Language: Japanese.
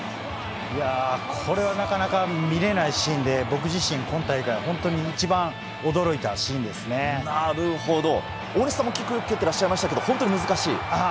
これはなかなか見れないシーンで、僕自身、今大会、本当に一番驚いなるほど、大西さんもキック、蹴ってらっしゃいましたけど本当に難しい？